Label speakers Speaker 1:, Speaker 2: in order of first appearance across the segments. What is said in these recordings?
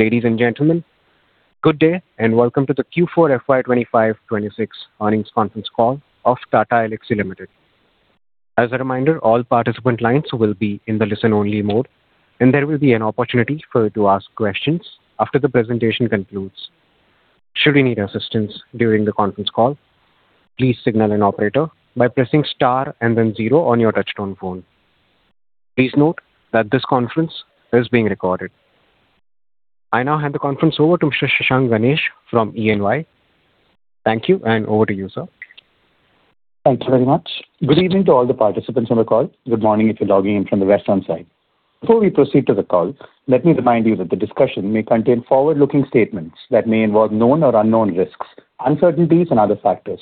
Speaker 1: Ladies and gentlemen, good day, and welcome to the Q4 FY 2026 earnings conference call of Tata Elxsi Limited. As a reminder, all participant lines will be in the listen-only mode, and there will be an opportunity for you to ask questions after the presentation concludes. Should you need assistance during the conference call, please signal an operator by pressing star and then zero on your touchtone phone. Please note that this conference is being recorded. I now hand the conference over to Shashank Ganesh from ENY. Thank you, and over to you, sir.
Speaker 2: Thank you very much. Good evening to all the participants on the call. Good morning if you're logging in from the western side. Before we proceed to the call, let me remind you that the discussion may contain forward-looking statements that may involve known or unknown risks, uncertainties and other factors.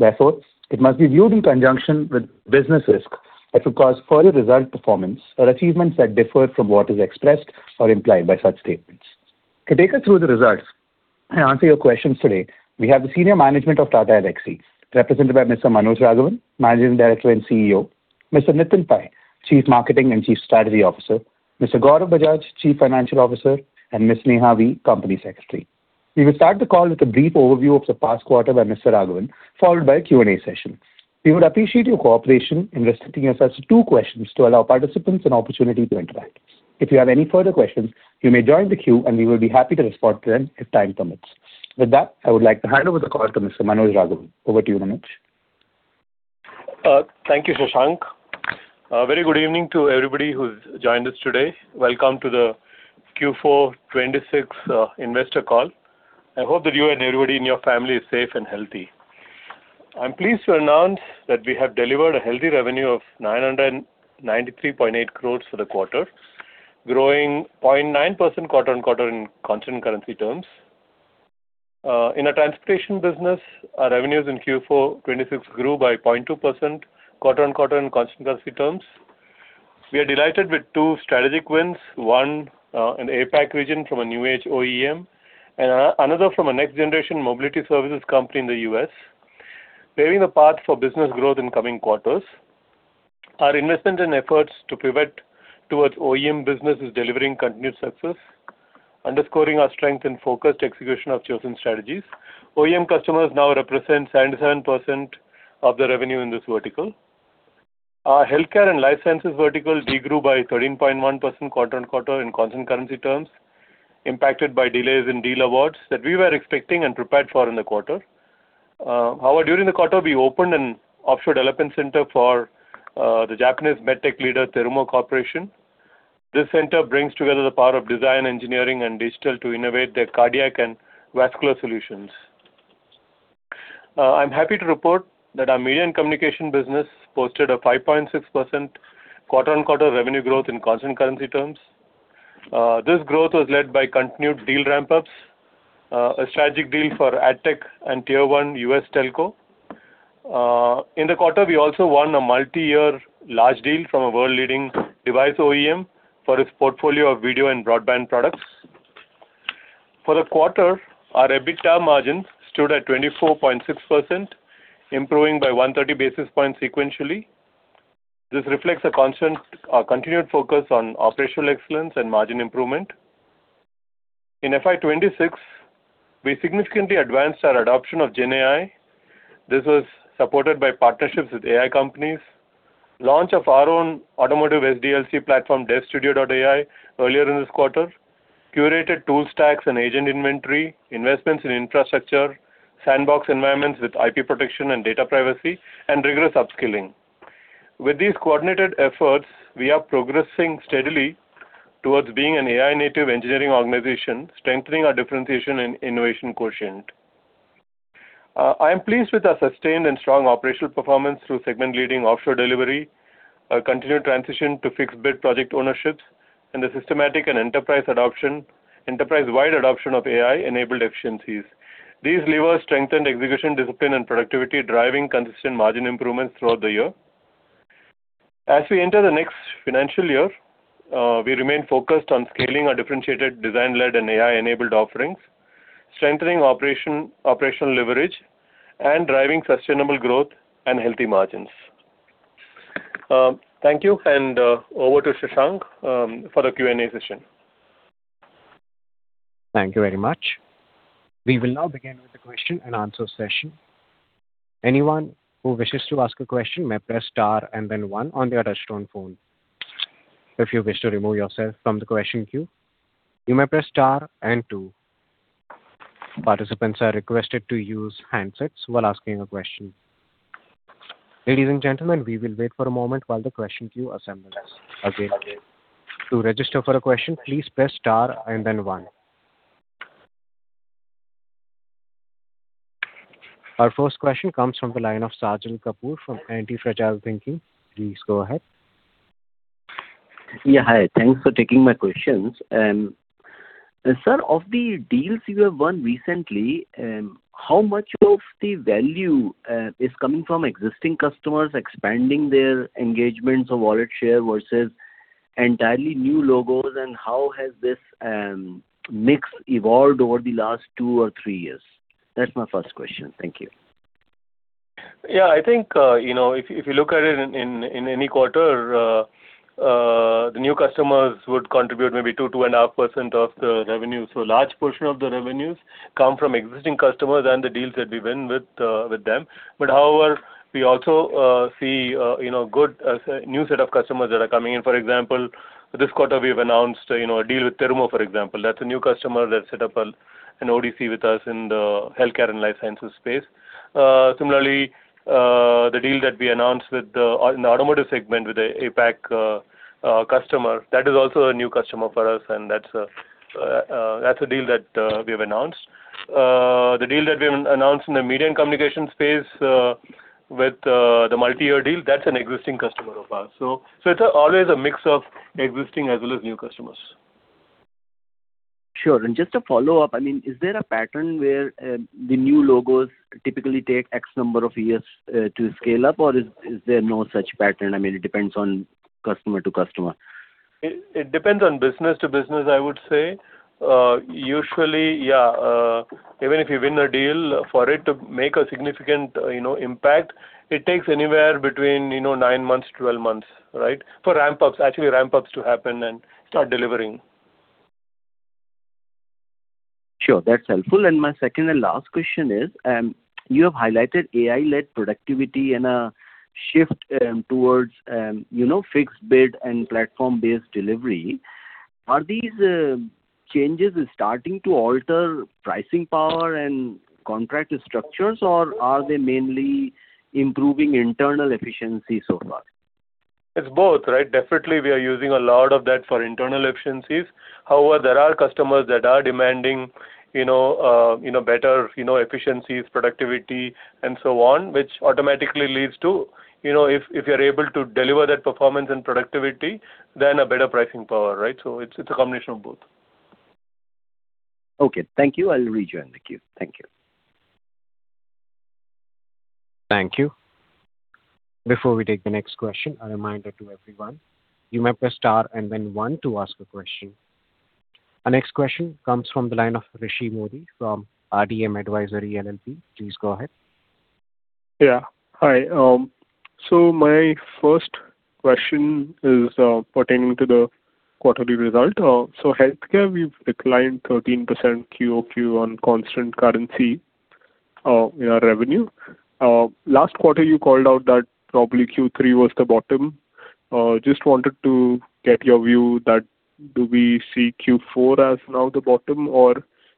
Speaker 2: Therefore, it must be viewed in conjunction with business risks that could cause actual results, performance or achievements to differ from what is expressed or implied by such statements. To take us through the results and answer your questions today, we have the senior management of Tata Elxsi, represented by Mr. Manoj Raghavan, Managing Director and Chief Executive Officer, Mr. Nitin Pai, Chief Marketing and Chief Strategy Officer, Mr. Gaurav Bajaj, Chief Financial Officer, and Ms. Sneha V, Company Secretary. We will start the call with a brief overview of the past quarter by Mr. Raghavan, followed by a Q&A session. We would appreciate your cooperation in restricting yourself to two questions to allow participants an opportunity to interact. If you have any further questions, you may join the queue, and we will be happy to respond to them if time permits. With that, I would like to hand over the call to Mr. Manoj Raghavan. Over to you, Manoj.
Speaker 3: Thank you, Shashank. A very good evening to everybody who's joined us today. Welcome to the Q4 FY26 investor call. I hope that you and everybody in your family is safe and healthy. I'm pleased to announce that we have delivered a healthy revenue of 993.8 crores for the quarter, growing 0.9% quarter-on-quarter in constant currency terms. In our transportation business, our revenues in Q4 FY26 grew by 0.2% quarter-on-quarter in constant currency terms. We are delighted with two strategic wins, one, in APAC region from a new age OEM and another from a next-generation mobility services company in the U.S., paving the path for business growth in coming quarters. Our investment and efforts to pivot towards OEM business is delivering continued success, underscoring our strength and focused execution of chosen strategies. OEM customers now represent 77% of the revenue in this vertical. Our healthcare and life sciences vertical de-grew by 13.1% quarter-on-quarter in constant currency terms, impacted by delays in deal awards that we were expecting and prepared for in the quarter. However, during the quarter, we opened an offshore development center for the Japanese med tech leader, Terumo Corporation. This center brings together the power of design, engineering, and digital to innovate their cardiac and vascular solutions. I'm happy to report that our media and communication business posted a 5.6% quarter-on-quarter revenue growth in constant currency terms. This growth was led by continued deal ramp-ups, a strategic deal for AdTech and tier one U.S. telco. In the quarter, we also won a multi-year large deal from a world-leading device OEM for its portfolio of video and broadband products. For the quarter, our EBITDA margins stood at 24.6%, improving by 130 basis points sequentially. This reflects a continued focus on operational excellence and margin improvement. In FY 2026, we significantly advanced our adoption of GenAI. This was supported by partnerships with AI companies, launch of our own automotive SDLC platform, DevStudio.ai, earlier in this quarter, curated tool stacks and agent inventory, investments in infrastructure, sandbox environments with IP protection and data privacy, and rigorous upskilling. With these coordinated efforts, we are progressing steadily towards being an AI-native engineering organization, strengthening our differentiation and innovation quotient. I am pleased with our sustained and strong operational performance through segment-leading offshore delivery, a continued transition to fixed-bid project ownership and the systematic and enterprise-wide adoption of AI-enabled efficiencies. These levers strengthened execution discipline and productivity, driving consistent margin improvements throughout the year. As we enter the next financial year, we remain focused on scaling our differentiated design-led and AI-enabled offerings, strengthening operational leverage, and driving sustainable growth and healthy margins. Thank you, and over to Shashank for the Q&A session.
Speaker 1: Thank you very much. We will now begin with the Q&A session. Anyone who wishes to ask a question may press star and then one on their touchtone phone. If you wish to remove yourself from the question queue, you may press star and two. Participants are requested to use handsets while asking a question. Ladies and gentlemen, we will wait for a moment while the question queue assembles. Again, to register for a question, please press star and then one. Our first question comes from the line of Sajal Kapoor from Anti-Fragile Thinking. Please go ahead.
Speaker 4: Yeah, hi. Thanks for taking my questions. Sir, of the deals you have won recently, how much of the value is coming from existing customers expanding their engagements or wallet share versus entirely new logos, and how has this mix evolved over the last two or three years? That's my first question. Thank you.
Speaker 3: Yeah, I think if you look at it in any quarter, the new customers would contribute maybe 2%-2.5% of the revenue. Large portion of the revenues come from existing customers and the deals that we win with them. However, we also see good new set of customers that are coming in. For example, this quarter we've announced a deal with Terumo, for example. That's a new customer that set up an ODC with us in the healthcare and life sciences space. Similarly, the deal that we announced in the automotive segment with a APAC customer, that is also a new customer for us, and that's a deal that we have announced. The deal that we announced in the media and communication space with the multi-year deal, that's an existing customer of ours. It's always a mix of existing as well as new customers.
Speaker 4: Sure. Just a follow-up, is there a pattern where the new logos typically take X number of years to scale up, or is there no such pattern? It depends on customer to customer.
Speaker 3: It depends on business to business, I would say. Usually, yeah. Even if you win a deal, for it to make a significant impact, it takes anywhere between nine-12 months. For actually ramp-ups to happen and start delivering.
Speaker 4: Sure, that's helpful. My second and last question is, you have highlighted AI-led productivity and a shift towards fixed bid and platform-based delivery. Are these changes starting to alter pricing power and contract structures, or are they mainly improving internal efficiency so far?
Speaker 3: It's both, right? Definitely, we are using a lot of that for internal efficiencies. However, there are customers that are demanding better efficiencies, productivity, and so on, which automatically leads to, if you're able to deliver that performance and productivity, then a better pricing power. It's a combination of both.
Speaker 4: Okay, thank you. I'll rejoin the queue. Thank you.
Speaker 1: Thank you. Before we take the next question, a reminder to everyone, you may press star and then one to ask a question. Our next question comes from the line of Rishi Modi from RDM Advisory LLP. Please go ahead.
Speaker 5: Yeah. Hi. My first question is pertaining to the quarterly result. Healthcare, we've declined 13% QoQ on constant currency in our revenue. Last quarter, you called out that probably Q3 was the bottom. Just wanted to get your view that do we see Q4 as now the bottom, or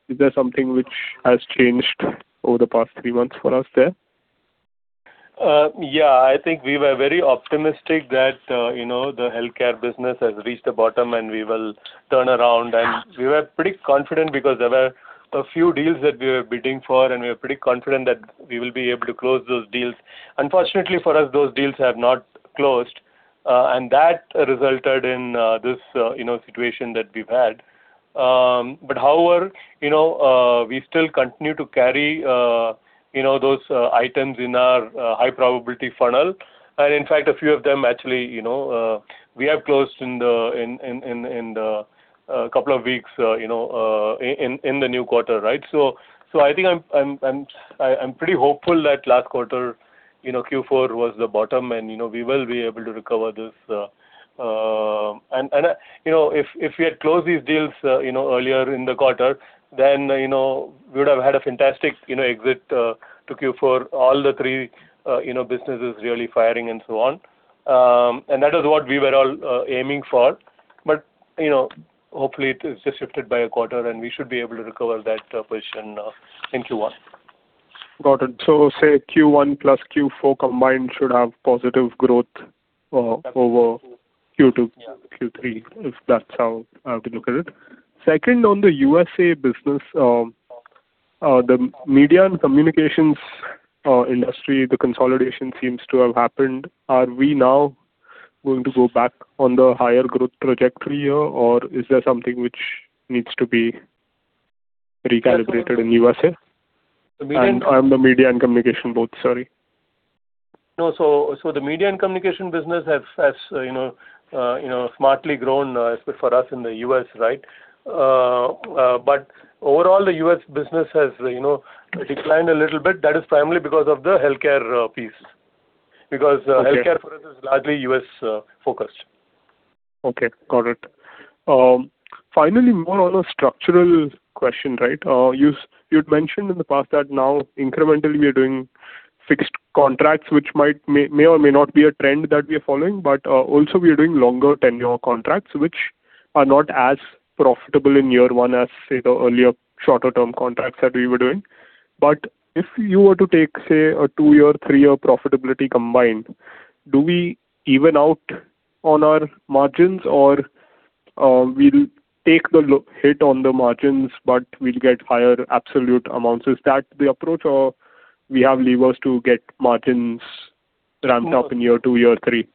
Speaker 5: is there something which has changed over the past three months for us there?
Speaker 3: Yeah, I think we were very optimistic that the healthcare business has reached the bottom, and we will turn around. We were pretty confident because there were a few deals that we were bidding for, and we were pretty confident that we will be able to close those deals. Unfortunately for us, those deals have not closed, and that resulted in this situation that we've had. However, we still continue to carry those items in our high-probability funnel. In fact, a few of them actually we have closed in the couple of weeks in the new quarter. I think I'm pretty hopeful that last quarter, Q4, was the bottom, and we will be able to recover this. If we had closed these deals earlier in the quarter, then we would have had a fantastic exit to Q4, all the three businesses really firing and so on. That is what we were all aiming for. Hopefully it's just shifted by a quarter, and we should be able to recover that position in Q1.
Speaker 5: Got it. Say Q1 plus Q4 combined should have positive growth over Q2, Q3, if that's how to look at it. Second, on the USA business, the media and communications industry, the consolidation seems to have happened. Are we now going to go back on the higher growth trajectory here, or is there something which needs to be recalibrated in USA?
Speaker 3: The media-
Speaker 5: The media and communication both, sorry.
Speaker 3: No, the Media and Communications business has smartly grown for us in the U.S. Overall, the U.S. business has declined a little bit. That is primarily because of the Healthcare piece. Because Healthcare for us is largely U.S.-focused.
Speaker 5: Okay, got it. Finally, more on a structural question. You'd mentioned in the past that now incrementally we are doing fixed contracts, which may or may not be a trend that we are following. Also we are doing longer tenure contracts, which are not as profitable in year one as, say, the earlier shorter-term contracts that we were doing. If you were to take, say, a two-year, three-year profitability combined, do we even out on our margins or we'll take the hit on the margins, but we'll get higher absolute amounts? Is that the approach or we have levers to get margins ramped up in year two, year three?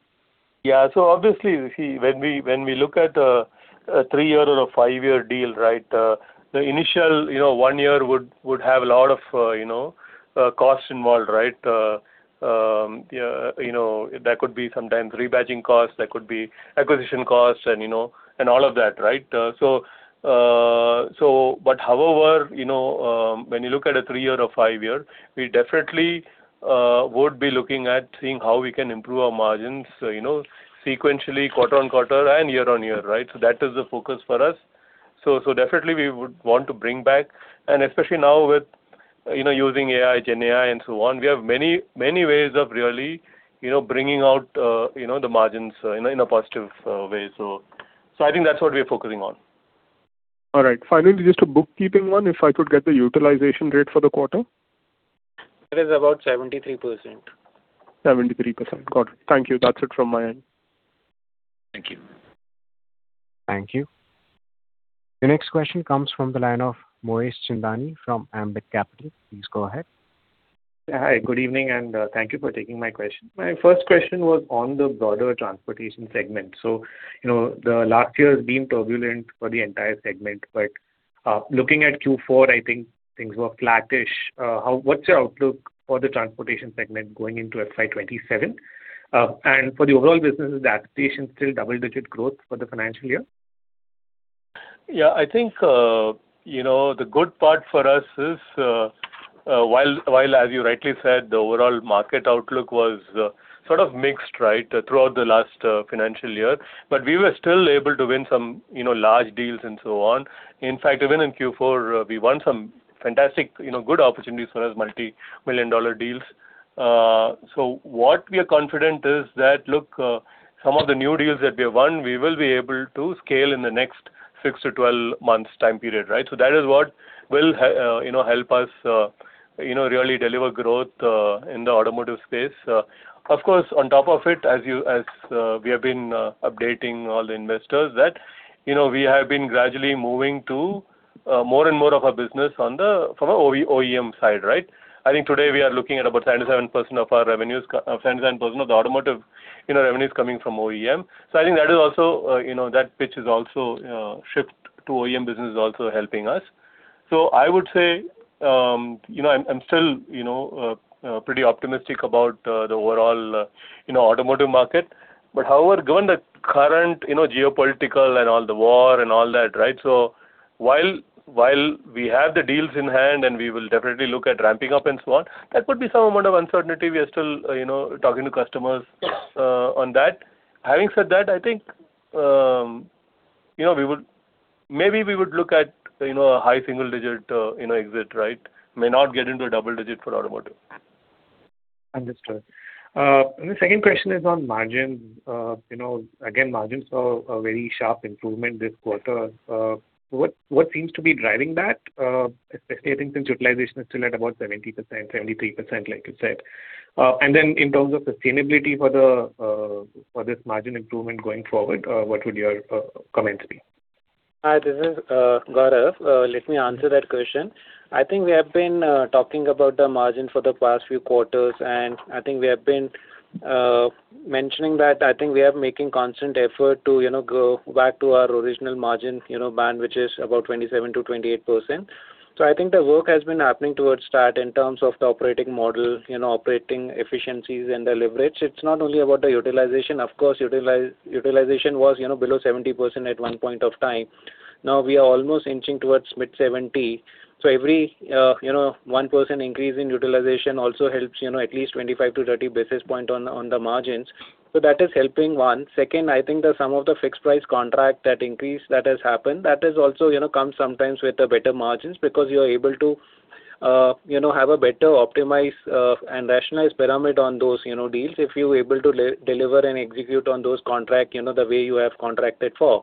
Speaker 3: Yeah. Obviously, Rishi, when we look at a three-year or a five-year deal, the initial one year would have a lot of cost involved. There could be sometimes rebadging costs, there could be acquisition costs, and all of that. However, when you look at a three-year or five-year, we definitely would be looking at seeing how we can improve our margins sequentially quarter-on-quarter and year-on-year. That is the focus for us. Definitely we would want to bring back, and especially now with using AI, GenAI, and so on, we have many ways of really bringing out the margins in a positive way. I think that's what we're focusing on.
Speaker 5: All right. Finally, just a bookkeeping one, if I could get the utilization rate for the quarter?
Speaker 6: It is about 73%.
Speaker 5: 73%, got it. Thank you. That's it from my end.
Speaker 6: Thank you.
Speaker 1: Thank you. The next question comes from the line of Moez Chandani from Ambit Capital. Please go ahead.
Speaker 7: Hi, good evening, and thank you for taking my question. My first question was on the broader transportation segment. The last year has been turbulent for the entire segment, but looking at Q4, I think things were flattish. What's your outlook for the transportation segment going into FY 2027? For the overall business, is the expectation still double-digit growth for the financial year?
Speaker 3: Yeah, I think the good part for us is, while as you rightly said, the overall market outlook was sort of mixed throughout the last financial year. We were still able to win some large deals and so on. In fact, even in Q4, we won some fantastic, good opportunities for us, dollar multi-million deals. What we are confident is that, look, some of the new deals that we have won, we will be able to scale in the next six to 12 months time period. That is what will help us really deliver growth in the automotive space. Of course, on top of it, as we have been updating all the investors that we have been gradually moving to more and more of our business from our OEM side. I think today we are looking at about 77% of the automotive revenues coming from OEM. I think that shift is also, shift to OEM business is also helping us. I would say, I'm still pretty optimistic about the overall automotive market. However, given the current geopolitical and all the war and all that, so while we have the deals in hand, and we will definitely look at ramping up and so on, that could be some amount of uncertainty. We are still talking to customers on that. Having said that, I think maybe we would look at a high single digit exit. May not get into a double digit for automotive.
Speaker 7: Understood. The second question is on margin. Again, margin saw a very sharp improvement this quarter. What seems to be driving that? Especially, I think, since utilization is still at about 70%, 73%, like you said. In terms of sustainability for this margin improvement going forward, what would your comments be?
Speaker 6: Hi, this is Gaurav. Let me answer that question. I think we have been talking about the margin for the past few quarters, and I think we have been mentioning that I think we are making constant effort to go back to our original margin band, which is about 27%-28%. I think the work has been happening towards that in terms of the operating model, operating efficiencies, and the leverage. It's not only about the utilization. Of course, utilization was below 70% at one point of time. Now we are almost inching towards mid-70%. Every 1% increase in utilization also helps at least 25 basis point-30 basis point on the margins. That is helping, one. Second, I think that some of the fixed price contract that increase that has happened, that has also come sometimes with the better margins because you're able to have a better optimized and rationalized pyramid on those deals if you're able to deliver and execute on those contract the way you have contracted for.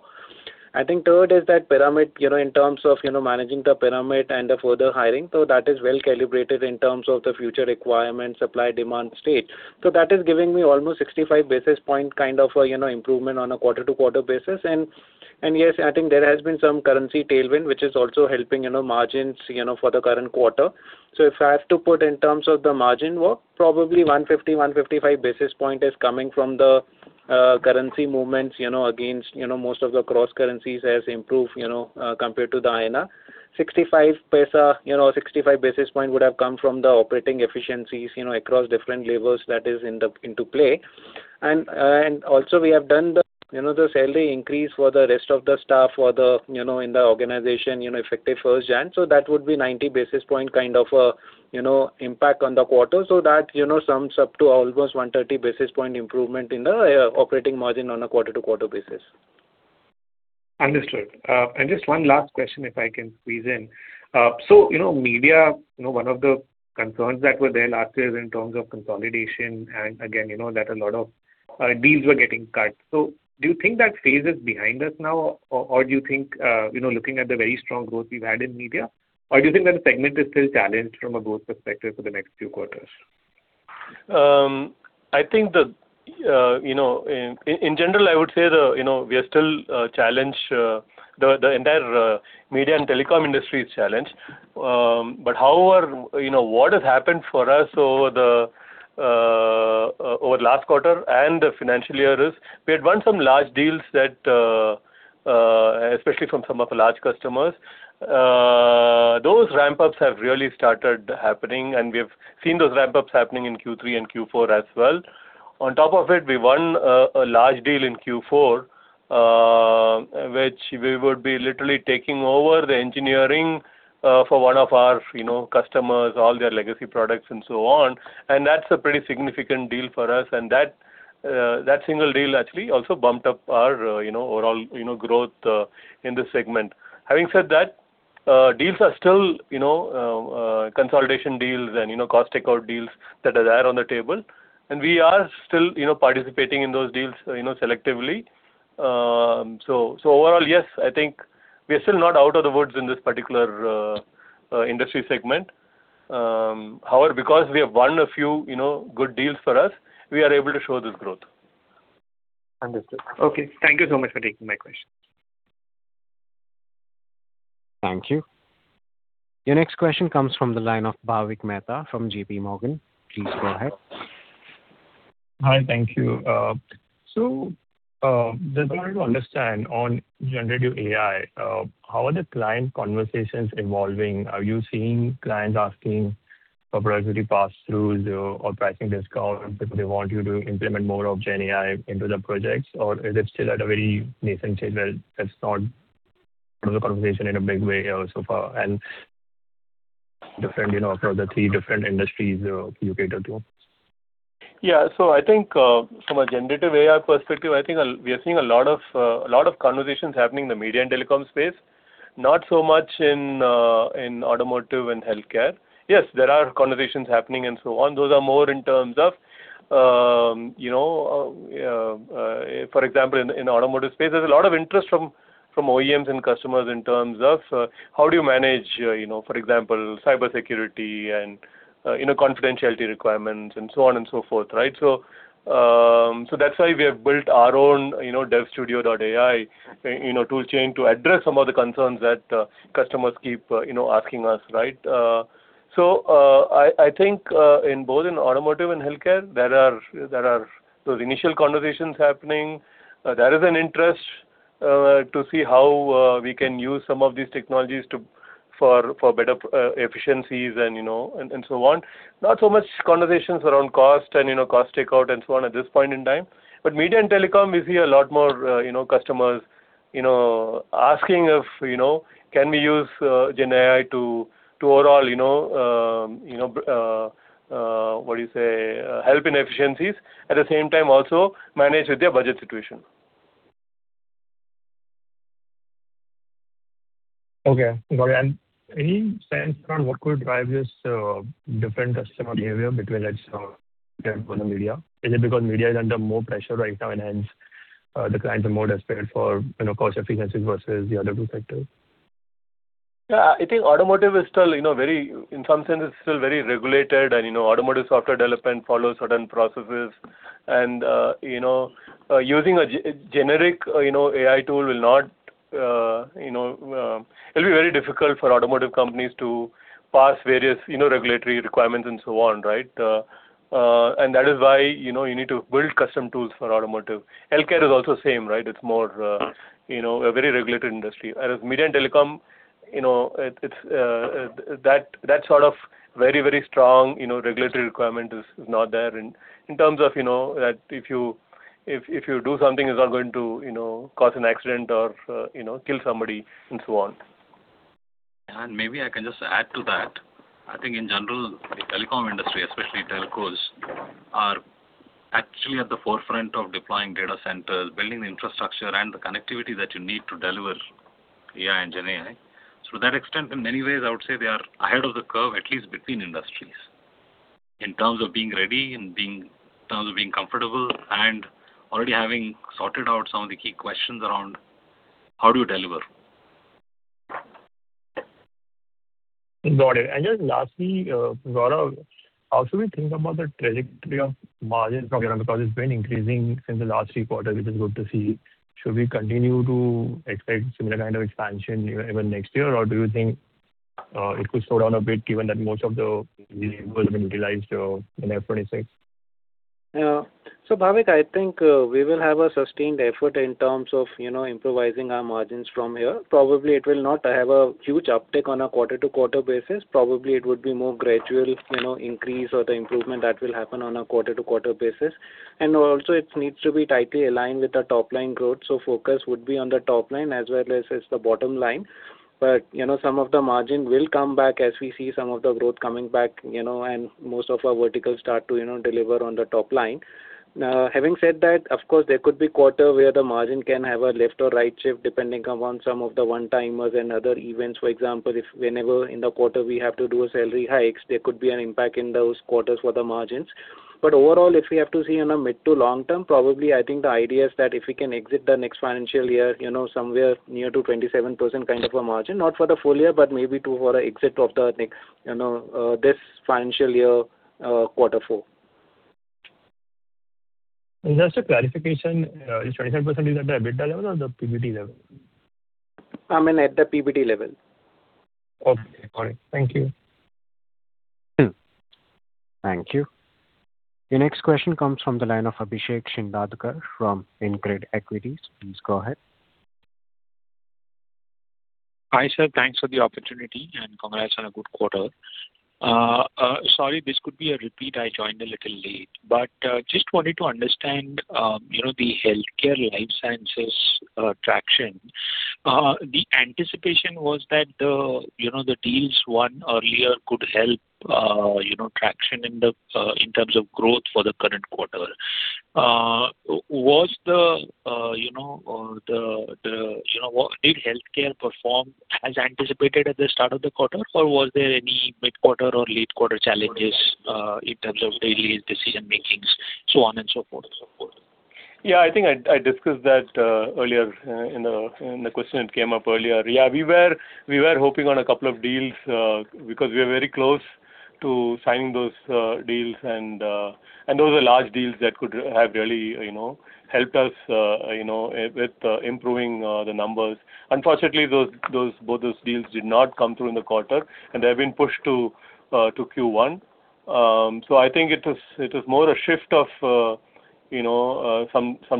Speaker 6: I think third is that pyramid, in terms of managing the pyramid and the further hiring. That is well-calibrated in terms of the future requirements, supply, demand state. That is giving me almost 65 basis points kind of improvement on a quarter-to-quarter basis. Yes, I think there has been some currency tailwind, which is also helping margins for the current quarter. If I have to put in terms of the margin work, probably 150 basis points-155 basis points is coming from the currency movements against most of the cross currencies has improved compared to the INR. 65 basis points would have come from the operating efficiencies across different levels that is into play. We have done the salary increase for the rest of the staff in the organization effective January 1. That would be 90 basis points kind of impact on the quarter. That sums up to almost 130 basis points improvement in the operating margin on a quarter-to-quarter basis.
Speaker 7: Understood. Just one last question, if I can squeeze in. Media, one of the concerns that were there last year in terms of consolidation, and again that a lot of deals were getting cut. Do you think that phase is behind us now? Or do you think, looking at the very strong growth we've had in media, or do you think that segment is still challenged from a growth perspective for the next few quarters?
Speaker 3: I think in general, I would say we are still challenged. The entire media and telecom industry is challenged. However, what has happened for us over last quarter and the financial year is we had won some large deals, especially from some of the large customers. Those ramp-ups have really started happening, and we've seen those ramp-ups happening in Q3 and Q4 as well. On top of it, we won a large deal in Q4, which we would be literally taking over the engineering for one of our customers, all their legacy products and so on. That's a pretty significant deal for us. That single deal actually also bumped up our overall growth in this segment. Having said that, deals are still consolidation deals and cost takeout deals that are there on the table, and we are still participating in those deals selectively. Overall, yes, I think we are still not out of the woods in this particular industry segment. However, because we have won a few good deals for us, we are able to show this growth.
Speaker 7: Understood. Okay. Thank you so much for taking my question.
Speaker 1: Thank you. Your next question comes from the line of Bhavik Mehta from JPMorgan. Please go ahead.
Speaker 8: Hi. Thank you. Just wanted to understand on generative AI, how are the client conversations evolving? Are you seeing clients asking for pass-throughs or pricing discounts because they want you to implement more of gen AI into the projects? Or is it still at a very nascent stage where that's not part of the conversation in a big way so far and different across the three different industries you cater to?
Speaker 3: Yeah. I think from a generative AI perspective, I think we are seeing a lot of conversations happening in the media and telecom space, not so much in automotive and healthcare. Yes, there are conversations happening and so on. Those are more in terms of, for example, in the automotive space, there's a lot of interest from OEMs and customers in terms of how do you manage, for example, cybersecurity and confidentiality requirements and so on and so forth, right? That's why we have built our own DevStudio.ai tool chain to address some of the concerns that customers keep asking us, right? I think both in automotive and healthcare, there are those initial conversations happening. There is an interest to see how we can use some of these technologies for better efficiencies and so on. Not so much conversations around cost and cost takeout and so on at this point in time. Media and telecom, we see a lot more customers asking if can we use GenAI to overall, what do you say, help in efficiencies. At the same time also manage their budget situation.
Speaker 8: Okay. Got it. Any sense around what could drive this different customer behavior between, let's say, media? Is it because media is under more pressure right now, and hence the clients are more desperate for cost efficiency versus the other two sectors?
Speaker 3: Yeah, I think automotive is still very, in some sense, it's still very regulated and automotive software development follows certain processes. Using a generic AI tool, it'll be very difficult for automotive companies to pass various regulatory requirements and so on, right? That is why you need to build custom tools for automotive. Healthcare is also the same, right? It's a very regulated industry. Whereas media and telecom, that sort of very strong regulatory requirement is not there in terms of if you do something, it's not going to cause an accident or kill somebody and so on.
Speaker 9: Maybe I can just add to that. I think in general, the telecom industry, especially telcos, are actually at the forefront of deploying data centers, building the infrastructure, and the connectivity that you need to deliver AI and GenAI. To that extent, in many ways, I would say they are ahead of the curve, at least between industries, in terms of being ready, in terms of being comfortable, and already having sorted out some of the key questions around how do you deliver.
Speaker 8: Got it. Just lastly, Gaurav, how should we think about the trajectory of margin program? Because it's been increasing since the last three quarters, which is good to see. Should we continue to expect similar kind of expansion even next year? Or do you think it could slow down a bit given that most of the deals have been realized in FY 2026?
Speaker 6: Yeah. Bhavik, I think we will have a sustained effort in terms of improvising our margins from here. Probably it will not have a huge uptick on a quarter-to-quarter basis. Probably it would be more gradual increase or the improvement that will happen on a quarter-to-quarter basis. Also it needs to be tightly aligned with the top-line growth. Focus would be on the top line as well as the bottom line. Some of the margin will come back as we see some of the growth coming back, and most of our verticals start to deliver on the top line. Now, having said that, of course, there could be quarter where the margin can have a left or right shift depending upon some of the one-timers and other events. For example, if whenever in the quarter we have to do a salary hike, there could be an impact in those quarters for the margins. Overall, if we have to see in a mid to long term, probably I think the idea is that if we can exit the next financial year somewhere near to 27% kind of a margin, not for the full year, but maybe for the exit of this financial year, quarter four.
Speaker 8: Just a clarification. This 27% is at the EBITDA level or the PBT level?
Speaker 6: I mean at the PBT level.
Speaker 8: Okay, got it. Thank you.
Speaker 1: Thank you. The next question comes from the line of Abhishek Shindadkar from InCred Equities. Please go ahead.
Speaker 10: Hi, sir. Thanks for the opportunity, and congrats on a good quarter. Sorry, this could be a repeat. I joined a little late. Just wanted to understand the healthcare life sciences traction. The anticipation was that the deals won earlier could help traction in terms of growth for the current quarter. Did healthcare perform as anticipated at the start of the quarter, or was there any mid-quarter or late quarter challenges, in terms of daily decision makings, so on and so forth?
Speaker 3: Yeah, I think I discussed that earlier in the question that came up earlier. Yeah, we were hoping on a couple of deals because we were very close to signing those deals, and those were large deals that could have really helped us with improving the numbers. Unfortunately, both those deals did not come through in the quarter, and they have been pushed to Q1. I think it is more a shift of some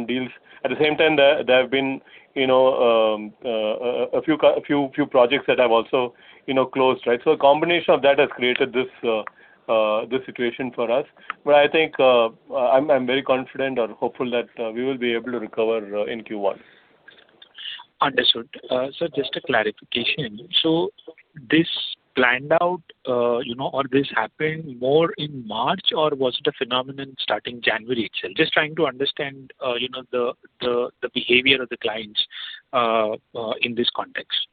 Speaker 3: deals. At the same time, there have been a few projects that have also closed. A combination of that has created this situation for us. I think I'm very confident or hopeful that we will be able to recover in Q1.
Speaker 10: Understood. Sir, just a clarification. This planned out or this happened more in March, or was it a phenomenon starting January itself? Just trying to understand the behavior of the clients in this context.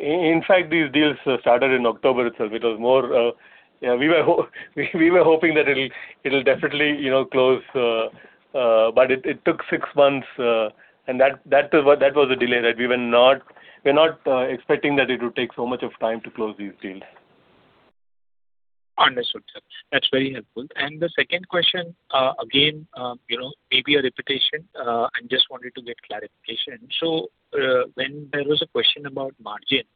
Speaker 3: In fact, these deals started in October itself. We were hoping that it'll definitely close, but it took six months. That was a delay that we were not expecting that it would take so much of time to close these deals.
Speaker 10: Understood, sir. That's very helpful. The second question, again, maybe a repetition, I just wanted to get clarification. When there was a question about margins,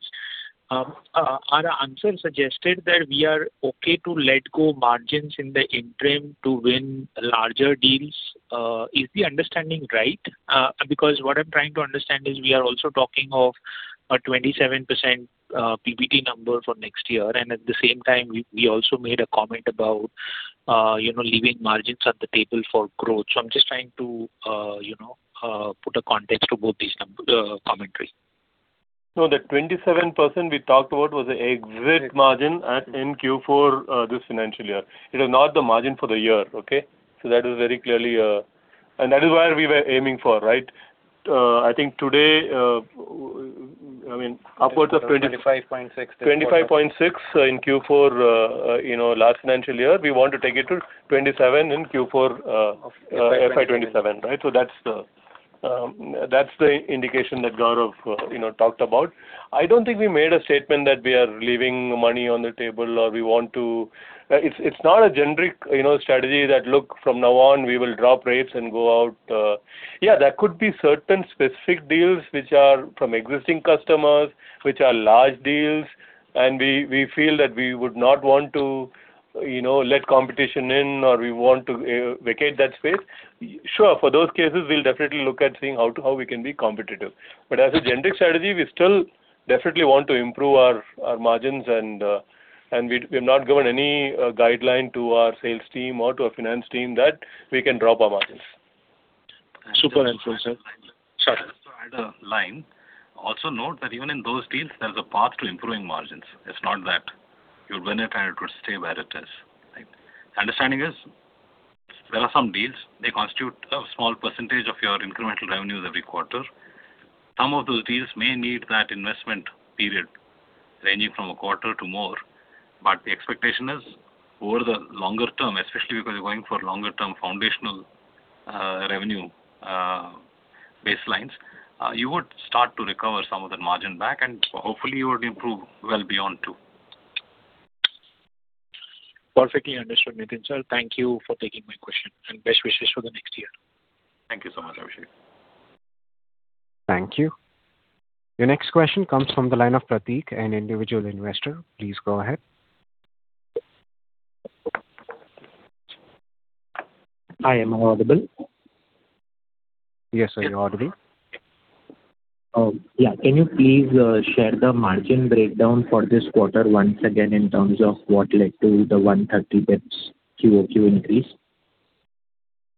Speaker 10: our answer suggested that we are okay to let go margins in the interim to win larger deals. Is the understanding right? Because what I'm trying to understand is we are also talking of a 27% PBT number for next year, and at the same time, we also made a comment about leaving margins at the table for growth. I'm just trying to put a context to both these commentaries.
Speaker 3: No, the 27% we talked about was the exit margin at Q4 this financial year. It is not the margin for the year, okay? That is very clearly. That is where we were aiming for. I think today, upwards of.
Speaker 6: 25.6
Speaker 3: 25.6% in Q4 last financial year. We want to take it to 27% in Q4 FY 2027. That's the indication that Gaurav talked about. I don't think we made a statement that we are leaving money on the table or we want to. It's not a generic strategy that, look, from now on, we will drop rates and go out. Yeah, there could be certain specific deals which are from existing customers, which are large deals, and we feel that we would not want to let competition in or we want to vacate that space. Sure, for those cases, we'll definitely look at seeing how we can be competitive. As a generic strategy, we still definitely want to improve our margins, and we've not given any guideline to our sales team or to our finance team that we can drop our margins.
Speaker 10: Super helpful, sir.
Speaker 3: Sure.
Speaker 9: Just to add a line. Also note that even in those deals, there's a path to improving margins. It's not that you'll win it and it would stay where it is. Understanding is, there are some deals, they constitute a small percentage of your incremental revenues every quarter. Some of those deals may need that investment period, ranging from a quarter to more. The expectation is, over the longer term, especially because you're going for longer-term foundational revenue baselines, you would start to recover some of that margin back, and hopefully you would improve well beyond too.
Speaker 10: Perfectly understood, Nitin, sir. Thank you for taking my question, and best wishes for the next year.
Speaker 9: Thank you so much, Abhishek.
Speaker 1: Thank you. Your next question comes from the line of Pratik, an individual investor. Please go ahead.
Speaker 11: Hi, am I audible?
Speaker 1: Yes, sir, you're audible.
Speaker 11: Can you please share the margin breakdown for this quarter once again in terms of what led to the 130 basis points QOQ increase?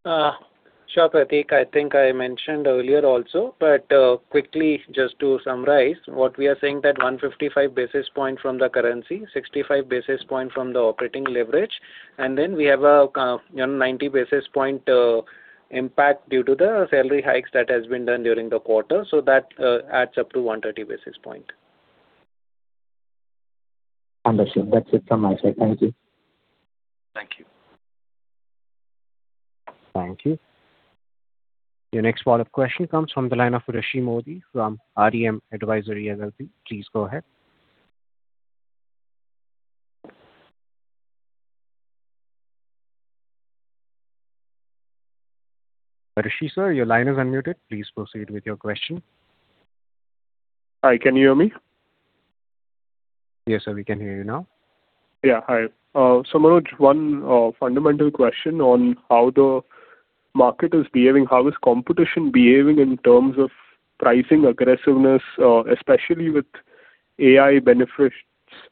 Speaker 6: Sure, Pratik. I think I mentioned earlier also, but quickly just to summarize, what we are saying that 155 basis point from the currency, 65 basis point from the operating leverage, and then we have a 90 basis point impact due to the salary hikes that has been done during the quarter. That adds up to 130 basis point.
Speaker 11: Understood. That's it from my side. Thank you.
Speaker 6: Thank you.
Speaker 1: Thank you. Your next follow-up question comes from the line of Rishi Modi from RDM Advisory LLP. Please go ahead. Rishi, sir, your line is unmuted. Please proceed with your question.
Speaker 5: Hi, can you hear me?
Speaker 1: Yes, sir, we can hear you now.
Speaker 5: Yeah. Hi. Manoj, one fundamental question on how the market is behaving. How is competition behaving in terms of pricing aggressiveness, especially with AI benefits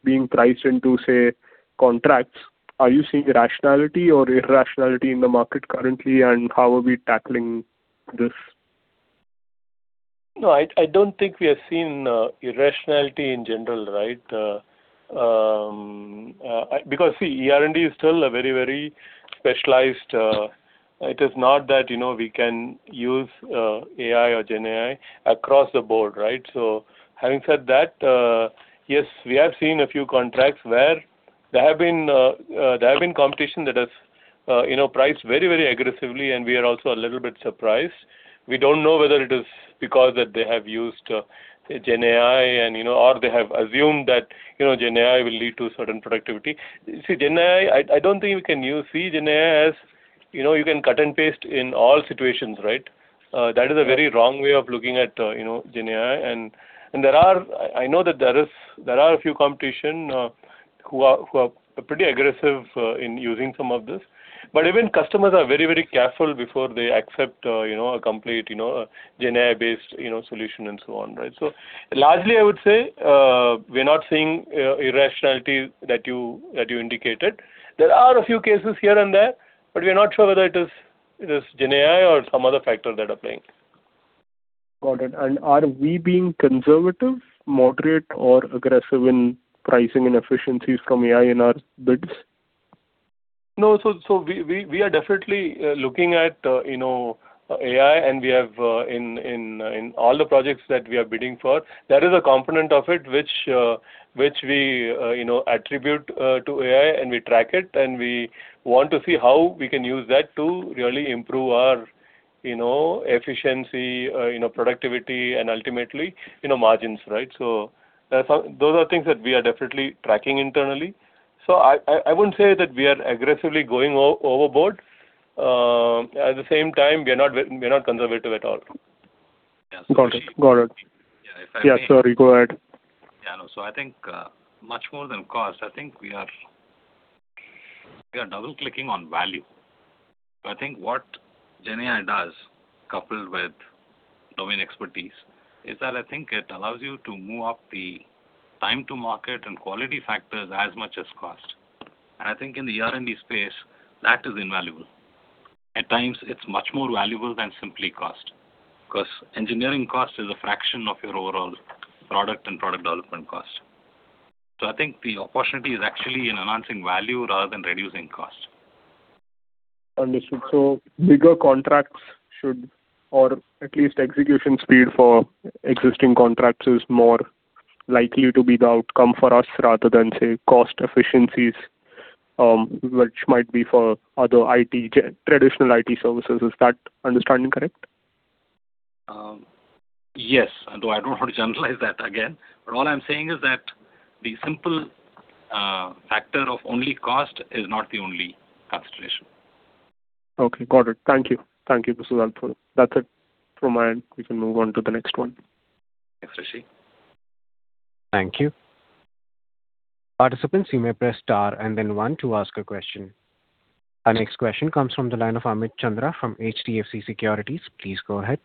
Speaker 5: being priced into, say, contracts. Are you seeing rationality or irrationality in the market currently, and how are we tackling this?
Speaker 3: No, I don't think we are seeing irrationality in general, right? See, R&D is still a very specialized. It is not that we can use AI or GenAI across the board, right? Having said that, yes, we have seen a few contracts where there have been competitors who have priced very aggressively, and we are also a little bit surprised. We don't know whether it is because they have used GenAI or they have assumed that GenAI will lead to certain productivity. See, GenAI, I don't think we can use GenAI as you can cut and paste in all situations, right? That is a very wrong way of looking at GenAI. I know that there are a few competitors who are pretty aggressive in using some of this, but even customers are very careful before they accept a complete GenAI-based solution and so on, right? Largely, I would say, we're not seeing irrationality that you indicated. There are a few cases here and there, but we're not sure whether it is GenAI or some other factor that's applying.
Speaker 5: Got it. Are we being conservative, moderate, or aggressive in pricing and efficiencies from AI in our bids?
Speaker 3: No. We are definitely looking at AI and in all the projects that we are bidding for, that is a component of it which we attribute to AI, and we track it, and we want to see how we can use that to really improve our efficiency, productivity, and ultimately margins, right? Those are things that we are definitely tracking internally. I wouldn't say that we are aggressively going overboard. At the same time, we are not conservative at all.
Speaker 5: Got it.
Speaker 9: Yeah.
Speaker 5: Yeah. Sorry, go ahead.
Speaker 9: Yeah, no. I think much more than cost, I think we are double-clicking on value. I think what GenAI does, coupled with domain expertise, is that I think it allows you to move up the time to market and quality factors as much as cost. I think in the R&D space, that is invaluable. At times it's much more valuable than simply cost, because engineering cost is a fraction of your overall product and product development cost. I think the opportunity is actually in enhancing value rather than reducing cost.
Speaker 5: Understood. Bigger contracts should, or at least execution speed for existing contracts is more likely to be the outcome for us rather than, say, cost efficiencies, which might be for other traditional IT services. Is that understanding correct?
Speaker 9: Yes. Although I don't want to generalize that again, but all I'm saying is that the simple factor of only cost is not the only consideration.
Speaker 5: Okay, got it. Thank you. This is helpful. That's it from my end. We can move on to the next one.
Speaker 9: Thanks, Rishi.
Speaker 1: Thank you. Participants, you may press star and then one to ask a question. Our next question comes from the line of Amit Chandra from HDFC Securities. Please go ahead.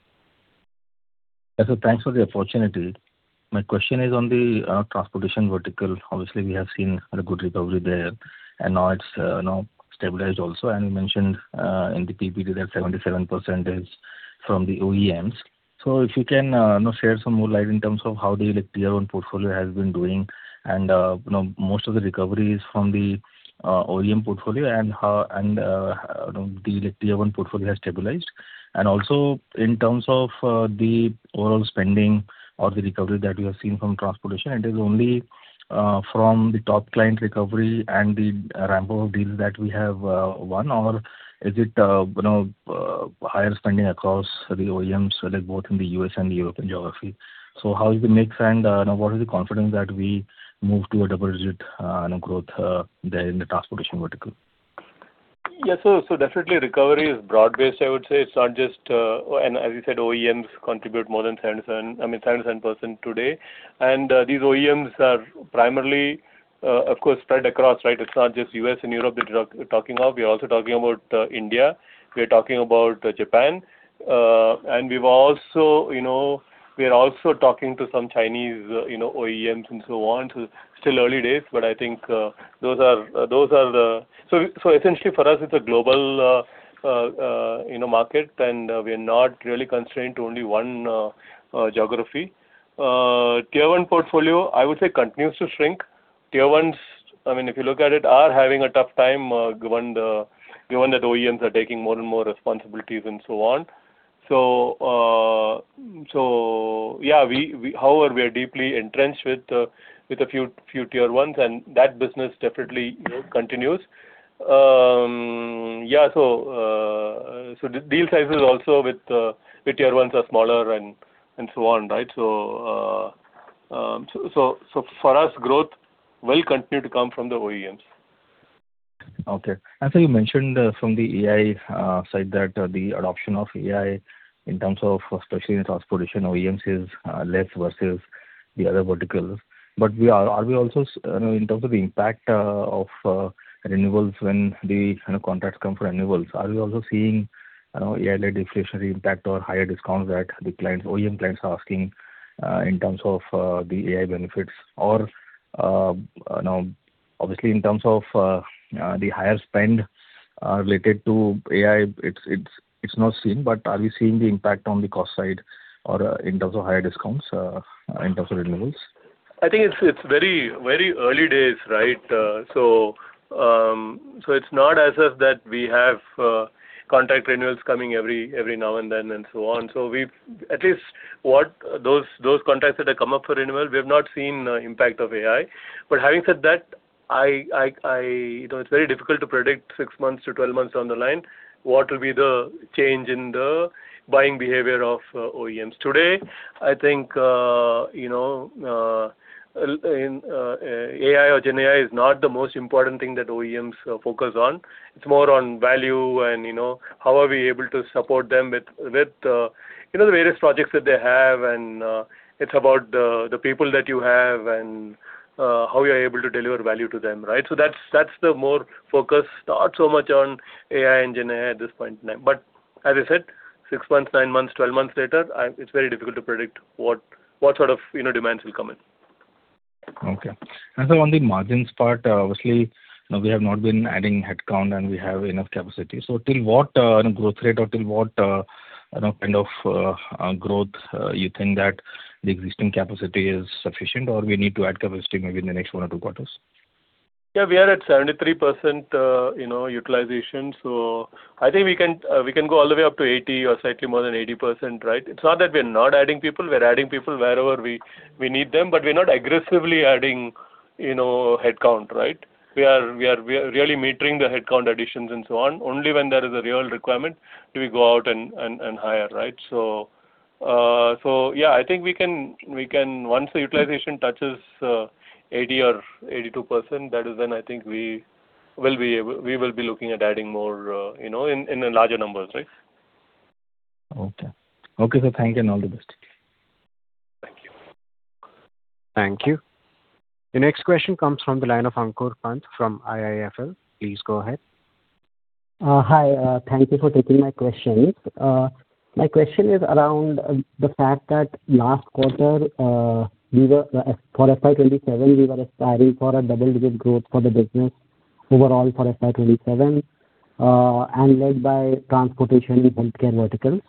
Speaker 12: Yes, sir. Thanks for the opportunity. My question is on the transportation vertical. Obviously, we have seen a good recovery there, and now it's stabilized also. You mentioned in the PPT that 77% is from the OEMs. If you can share some more light in terms of how the Tier 1 portfolio has been doing and most of the recovery is from the OEM portfolio and how the Tier 1 portfolio has stabilized. Also in terms of the overall spending or the recovery that we have seen from transportation, it is only from the top client recovery and the ramp of deals that we have won. Is it higher spending across the OEMs, both in the U.S. and the European geography? How is the mix and what is the confidence that we move to a double-digit growth there in the transportation vertical?
Speaker 3: Yeah. Definitely recovery is broad-based, I would say. It's not just as you said, OEMs contribute more than 700% today. These OEMs are primarily, of course, spread across, right? It's not just U.S. and Europe that we're talking of. We are also talking about India, we're talking about Japan. We are also talking to some Chinese OEMs and so on. Still early days, but I think those are the. Essentially for us, it's a global market, and we are not really constrained to only one geography. Tier I portfolio, I would say, continues to shrink. Tier Is, if you look at it, are having a tough time given that OEMs are taking more and more responsibilities and so on. Yeah. However, we are deeply entrenched with a few Tier Is, and that business definitely continues. Yeah. Deal sizes also with Tier Is are smaller and so on, right? For us, growth will continue to come from the OEMs.
Speaker 12: You mentioned from the AI side that the adoption of AI, in terms of especially in transportation OEMs, is less versus the other verticals. In terms of the impact of renewals, when the contracts come for renewals, are we also seeing yearly deflationary impact or higher discounts that the OEM clients are asking in terms of the AI benefits? Obviously in terms of the higher spend related to AI, it's not seen, but are we seeing the impact on the cost side or in terms of higher discounts in terms of renewals?
Speaker 3: I think it's very early days, right? It's not as if that we have contract renewals coming every now and then, and so on. At least what those contracts that have come up for renewal, we have not seen impact of AI. Having said that, it's very difficult to predict six months to 12 months down the line what will be the change in the buying behavior of OEMs. Today, I think AI or GenAI is not the most important thing that OEMs focus on. It's more on value and how are we able to support them with the various projects that they have, and it's about the people that you have and how you're able to deliver value to them, right? That's the more focus, not so much on AI engine AI at this point in time. As I said, 6 months, 9 months, 12 months later, it's very difficult to predict what sort of demands will come in.
Speaker 12: Okay. On the margins part, obviously, we have not been adding headcount and we have enough capacity. Till what growth rate or till what kind of growth you think that the existing capacity is sufficient, or we need to add capacity maybe in the next one or two quarters?
Speaker 3: Yeah, we are at 73% utilization. I think we can go all the way up to 80% or slightly more than 80%, right? It's not that we're not adding people. We're adding people wherever we need them, but we're not aggressively adding headcount, right? We are really metering the headcount additions and so on. Only when there is a real requirement do we go out and hire, right? Yeah, I think once the utilization touches 80% or 82%, that is when I think we will be looking at adding more in the larger numbers, right?
Speaker 12: Okay, sir. Thank you, and all the best.
Speaker 3: Thank you.
Speaker 1: Thank you. The next question comes from the line of Ankur Pant from IIFL. Please go ahead.
Speaker 13: Hi. Thank you for taking my questions. My question is around the fact that last quarter for FY 2027, we were aspiring for a double-digit growth for the business overall for FY 2027, and led by transportation and healthcare verticals.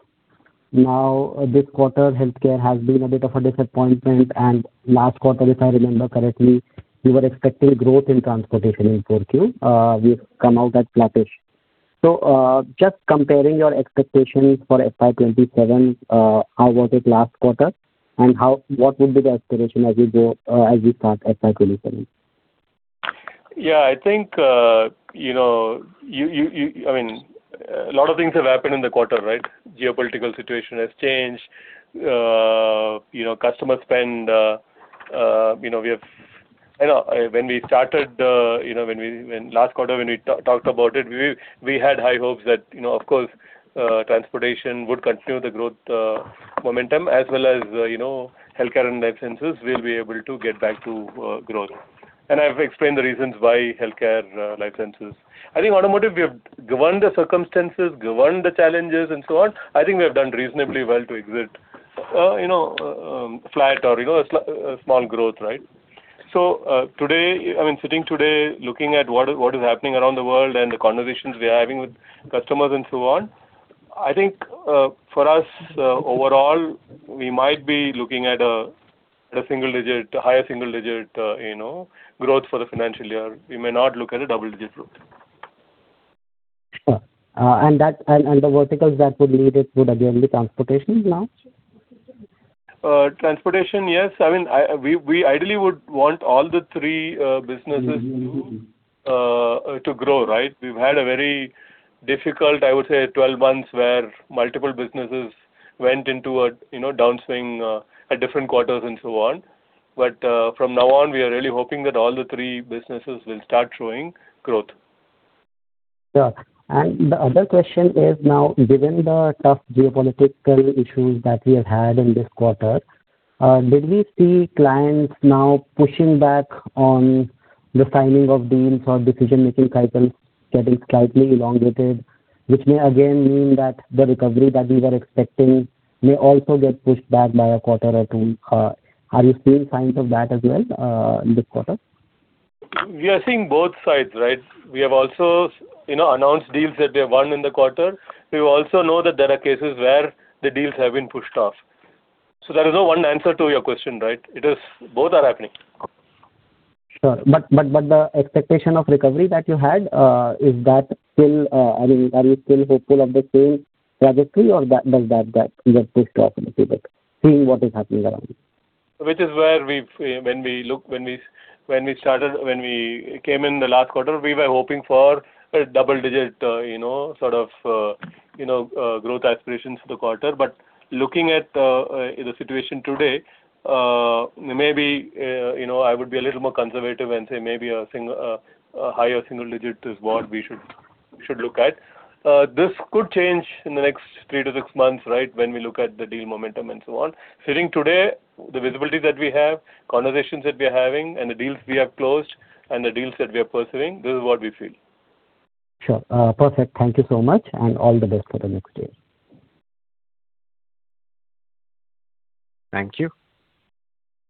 Speaker 13: Now this quarter, healthcare has been a bit of a disappointment, and last quarter, if I remember correctly, we were expecting growth in transportation in 4Q. We've come out at flattish. Just comparing your expectations for FY 2027, how was it last quarter, and what would be the aspiration as we start FY 2027?
Speaker 3: Yeah, I think a lot of things have happened in the quarter, right? Geopolitical situation has changed. Customer spend. Last quarter when we talked about it, we had high hopes that, of course, transportation would continue the growth momentum as well as healthcare and life sciences will be able to get back to growth. I've explained the reasons why healthcare and life sciences. I think automotive, given the circumstances, given the challenges and so on, I think we have done reasonably well to exit flat or a small growth, right? Sitting today, looking at what is happening around the world and the conversations we are having with customers and so on, I think for us, overall, we might be looking at a higher single-digit growth for the financial year. We may not look at a double-digit growth.
Speaker 13: Sure. The verticals that would lead it would again be transportation now?
Speaker 3: Transportation, yes. We ideally would want all the three businesses to grow, right? We've had a very difficult, I would say, 12 months, where multiple businesses went into a downswing at different quarters and so on. From now on, we are really hoping that all the three businesses will start showing growth.
Speaker 13: Sure. The other question is now, given the tough geopolitical issues that we have had in this quarter, did we see clients now pushing back on the timing of deals or decision-making cycles getting slightly elongated, which may again mean that the recovery that we were expecting may also get pushed back by a quarter or two. Are you seeing signs of that as well in this quarter?
Speaker 3: We are seeing both sides, right? We have also announced deals that we have won in the quarter. We also know that there are cases where the deals have been pushed off. There is no one answer to your question, right? Both are happening.
Speaker 13: Sure. The expectation of recovery that you had, are you still hopeful of the same trajectory, or does that get pushed off a little bit, seeing what is happening around?
Speaker 3: When we came in the last quarter, we were hoping for a double-digit sort of growth aspirations for the quarter. Looking at the situation today, maybe I would be a little more conservative and say maybe a higher single-digit is what we should look at. This could change in the next three-six months, right? When we look at the deal momentum and so on. Sitting today, the visibility that we have, conversations that we're having, and the deals we have closed, and the deals that we are pursuing, this is what we feel.
Speaker 13: Sure. Perfect. Thank you so much, and all the best for the next year.
Speaker 1: Thank you.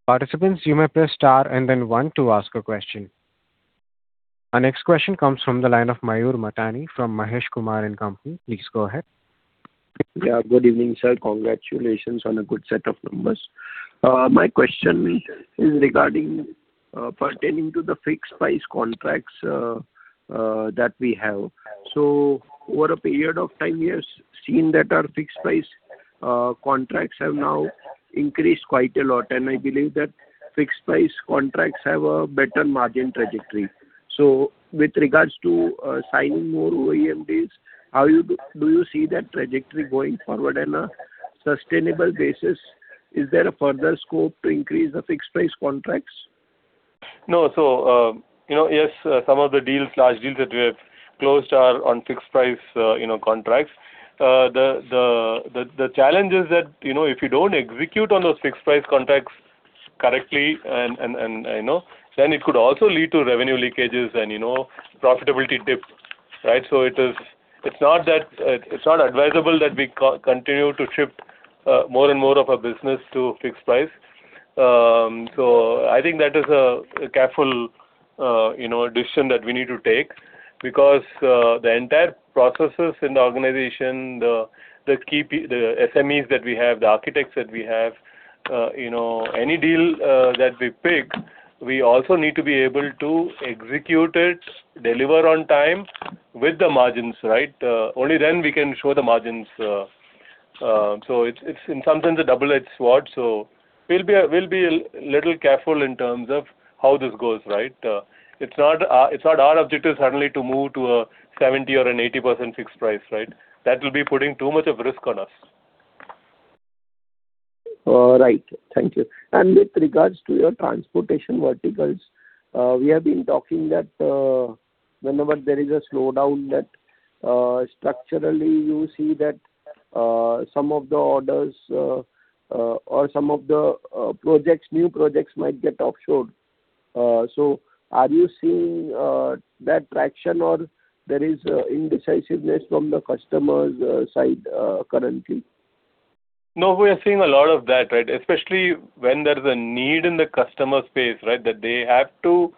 Speaker 1: Participants, you may press star and then one to ask a question. Our next question comes from the line of Mayur Matani from Mahesh Kumar and Company. Please go ahead.
Speaker 14: Yeah. Good evening, sir. Congratulations on a good set of numbers. My question is pertaining to the fixed price contracts that we have. Over a period of time, we have seen that our fixed price contracts have now increased quite a lot, and I believe that fixed price contracts have a better margin trajectory. With regards to signing more OEM deals, do you see that trajectory going forward in a sustainable basis? Is there a further scope to increase the fixed price contracts?
Speaker 3: No. Yes, some of the large deals that we have closed are on fixed price contracts. The challenge is that, if you don't execute on those fixed price contracts correctly, then it could also lead to revenue leakages and profitability dip, right? It's not advisable that we continue to shift more and more of our business to fixed price. I think that is a careful decision that we need to take because the entire processes in the organization, the SMEs that we have, the architects that we have, any deal that we pick, we also need to be able to execute it, deliver on time with the margins, right? Only then we can show the margins. It's in some sense a double-edged sword. We'll be a little careful in terms of how this goes, right? It's not our objective suddenly to move to a 70% or an 80% fixed price, right? That will be putting too much of risk on us.
Speaker 14: Right. Thank you. With regards to your transportation verticals, we have been talking that whenever there is a slowdown, that structurally you see that some of the orders or some of the new projects might get offshored. Are you seeing that traction or there is indecisiveness from the customer's side currently?
Speaker 3: No, we are seeing a lot of that, right? Especially when there is a need in the customer space, right? That they have to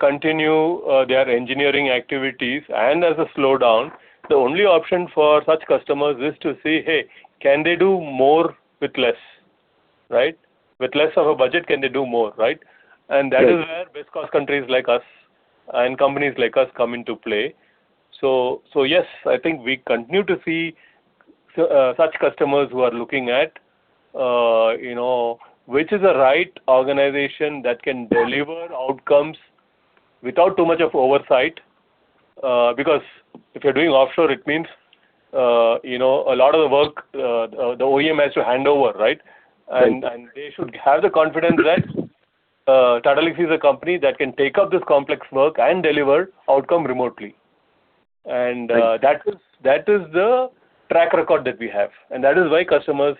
Speaker 3: continue their engineering activities. There's a slowdown. The only option for such customers is to say, hey, can they do more with less, right? With less of a budget, can they do more, right?
Speaker 14: Right.
Speaker 3: That is where base cost countries like us and companies like us come into play. Yes, I think we continue to see such customers who are looking at which is the right organization that can deliver outcomes without too much of oversight. Because if you're doing offshore, it means a lot of the work, the OEM has to hand over, right?
Speaker 14: Right.
Speaker 3: They should have the confidence that Tata Elxsi is a company that can take up this complex work and deliver outcome remotely.
Speaker 14: Right.
Speaker 3: That is the track record that we have, and that is why customers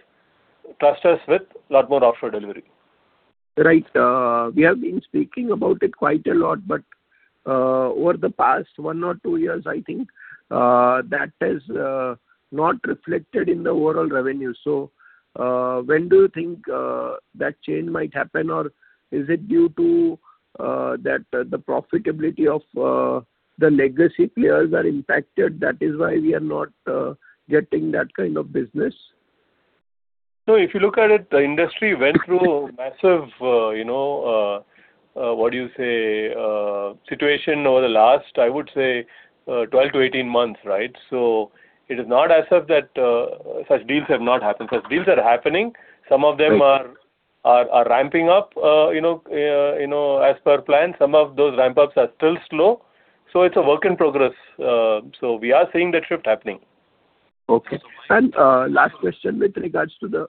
Speaker 3: trust us with a lot more offshore delivery.
Speaker 14: Right. We have been speaking about it quite a lot, but over the past one or two years, I think, that has not reflected in the overall revenue. When do you think that change might happen? Is it due to the profitability of the legacy players are impacted, that is why we are not getting that kind of business?
Speaker 3: No, if you look at it, the industry went through a massive, what do you say, situation over the last, I would say, 12-18 months, right? It is not as if that such deals have not happened. Such deals are happening.
Speaker 14: Right.
Speaker 3: Some of them are ramping up as per plan. Some of those ramp-ups are still slow. It's a work in progress. We are seeing that shift happening.
Speaker 14: Okay. Last question.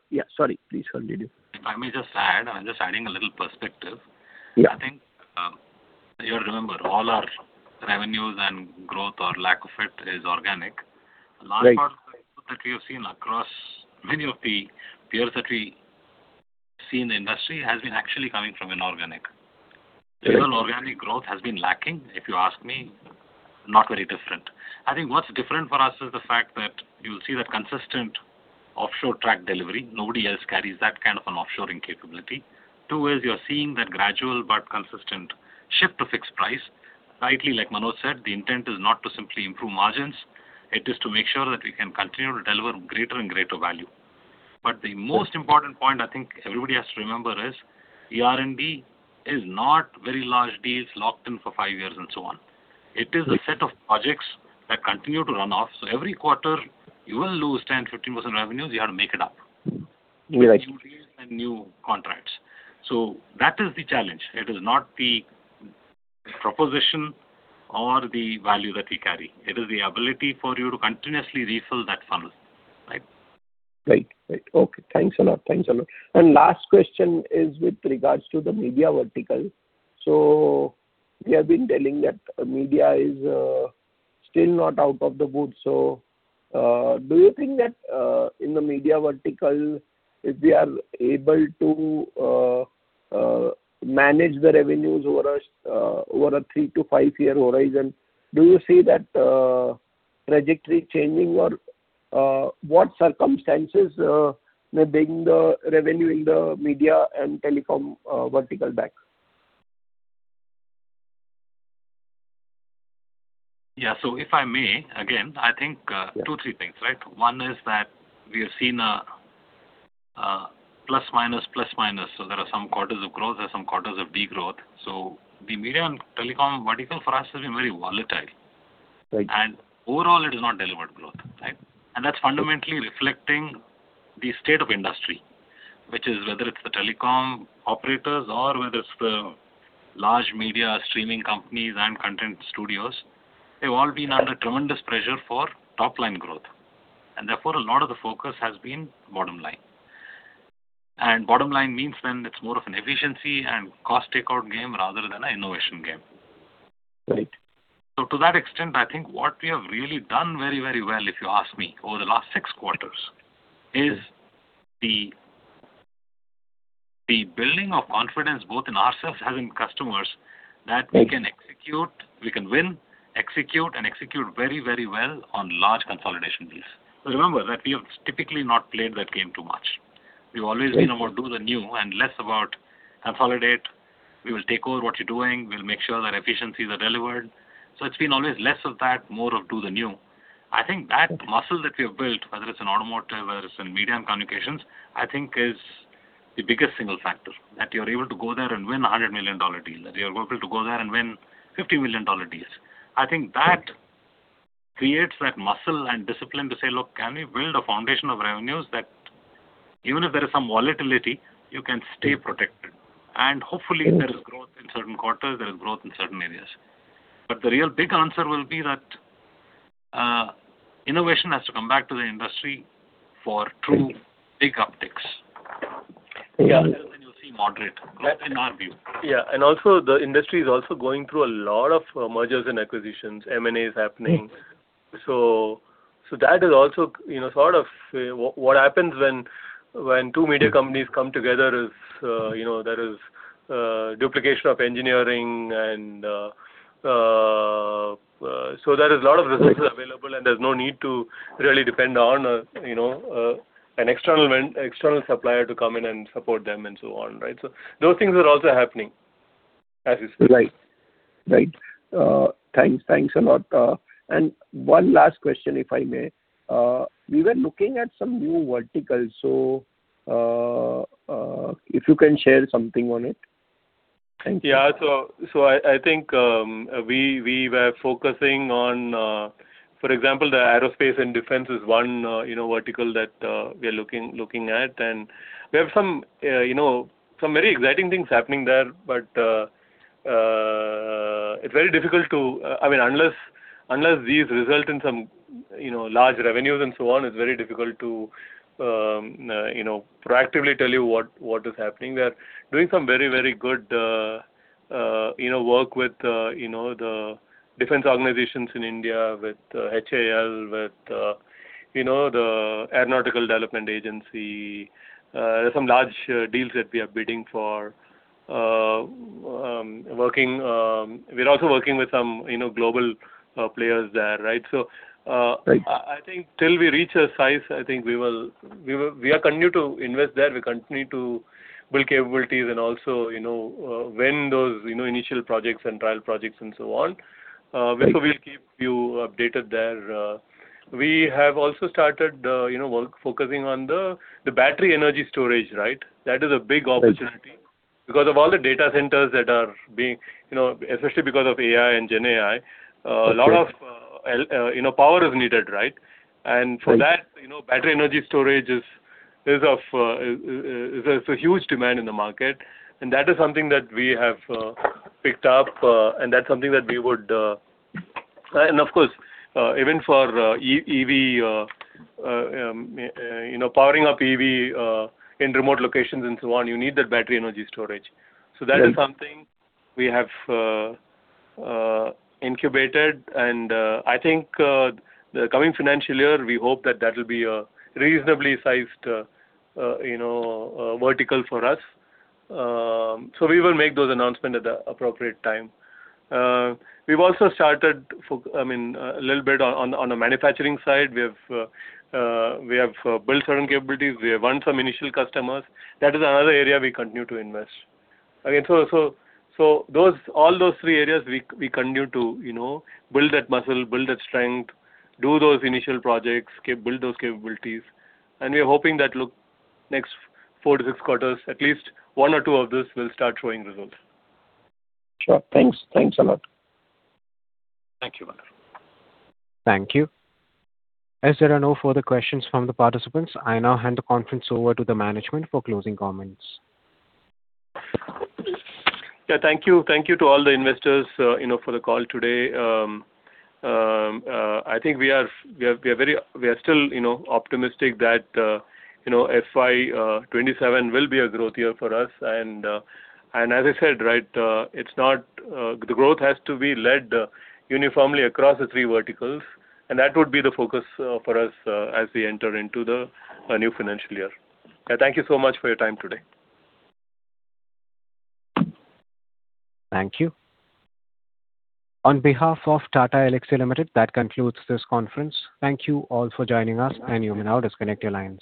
Speaker 14: Yeah, sorry. Please continue.
Speaker 9: If I may just add, and I'm just adding a little perspective.
Speaker 14: Yeah.
Speaker 9: I think you remember all our revenues and growth or lack of it is organic.
Speaker 14: Right.
Speaker 9: A large part of the growth that we have seen across many of the peers that we see in the industry has been actually coming from inorganic.
Speaker 14: Right.
Speaker 9: Even organic growth has been lacking, if you ask me. Not very different. I think what's different for us is the fact that you'll see that consistent offshore track delivery. Nobody else carries that kind of an offshoring capability. Two is you're seeing that gradual but consistent shift to fixed price. Rightly, like Manoj said, the intent is not to simply improve margins. It is to make sure that we can continue to deliver greater and greater value. The most important point I think everybody has to remember is, ER&D is not very large deals locked in for five years and so on. It is a set of projects that continue to run off. Every quarter, you will lose 10%, 15% revenues. You have to make it up.
Speaker 14: Right.
Speaker 9: With new deals and new contracts. That is the challenge. It is not the proposition or the value that we carry. It is the ability for you to continuously refill that funnel.
Speaker 14: Right. Okay. Thanks a lot. Last question is with regards to the media vertical. We have been telling that media is still not out of the woods, so do you think that in the media vertical, if they are able to manage the revenues over a three- to five-year horizon, do you see that trajectory changing, or what circumstances may bring the revenue in the media and telecom vertical back?
Speaker 9: Yeah. If I may, again, I think two, three things, right? One is that we have seen a plus, minus. There are some quarters of growth, there's some quarters of degrowth. The media and telecom vertical for us has been very volatile.
Speaker 14: Right.
Speaker 9: Overall it has not delivered growth, right? That's fundamentally reflecting the state of industry, which is whether it's the telecom operators or whether it's the large media streaming companies and content studios, they've all been under tremendous pressure for top line growth. Therefore, a lot of the focus has been bottom line. Bottom line means when it's more of an efficiency and cost takeout game rather than a innovation game.
Speaker 14: Right.
Speaker 9: To that extent, I think what we have really done very well, if you ask me, over the last six quarters, is the building of confidence, both in ourselves as in customers, that we can execute, we can win, execute, and execute very well on large consolidation deals. Remember that we have typically not played that game too much. We've always been about do the new and less about consolidate. We will take over what you're doing. We'll make sure that efficiencies are delivered. It's been always less of that, more of do the new. I think that muscle that we have built, whether it's in automotive, whether it's in media and communications, I think is the biggest single factor. That you're able to go there and win $100 million deals. That you are able to go there and win $50 million deals. I think that creates that muscle and discipline to say, "Look, can we build a foundation of revenues that even if there is some volatility, you can stay protected?" Hopefully there is growth in certain quarters, there is growth in certain areas. The real big answer will be that innovation has to come back to the industry for true big upticks.
Speaker 14: Yeah.
Speaker 9: That is when you'll see moderate growth, in our view.
Speaker 3: Yeah. Also, the industry is also going through a lot of mergers and acquisitions, M&As happening. That is also sort of what happens when two media companies come together. There is duplication of engineering. There is a lot of resources available, and there's no need to really depend on an external supplier to come in and support them and so on. Those things are also happening as you said.
Speaker 14: Right. Thanks a lot. One last question, if I may. We were looking at some new verticals. If you can share something on it? Thank you.
Speaker 3: Yeah. I think we were focusing on, for example, the aerospace and defense is one vertical that we're looking at and we have some very exciting things happening there. It's very difficult. Unless these result in some large revenues and so on, it's very difficult to proactively tell you what is happening there, doing some very good work with the defense organizations in India, with HAL, with the Aeronautical Development Agency. There's some large deals that we are bidding for. We're also working with some global players there.
Speaker 14: Right.
Speaker 3: I think till we reach a size, we continue to invest there. We continue to build capabilities and also win those initial projects and trial projects and so on. We'll keep you updated there. We have also started work focusing on the battery energy storage. That is a big opportunity because of all the data centers that are being built, especially because of AI and GenAI, a lot of power is needed. For that, battery energy storage is a huge demand in the market and that is something that we have picked up, and that's something that we would. Of course, even for EV, powering up EV in remote locations and so on, you need that battery energy storage. That is something we have incubated and I think the coming financial year, we hope that that will be a reasonably sized vertical for us. We will make those announcement at the appropriate time. We've also started a little bit on the manufacturing side. We have built certain capabilities. We have won some initial customers. That is another area we continue to invest. All those three areas we continue to build that muscle, build that strength, do those initial projects, build those capabilities and we are hoping that next four-six quarters, at least one or two of this will start showing results.
Speaker 14: Sure. Thanks a lot.
Speaker 3: Thank you.
Speaker 1: Thank you. As there are no further questions from the participants, I now hand the conference over to the management for closing comments.
Speaker 3: Yeah, thank you to all the investors for the call today. I think we are still optimistic that FY 2027 will be a growth year for us and as I said, the growth has to be led uniformly across the three verticals and that would be the focus for us as we enter into the new financial year. Thank you so much for your time today.
Speaker 1: Thank you. On behalf of Tata Elxsi Limited, that concludes this conference. Thank you all for joining us and you may now disconnect your lines.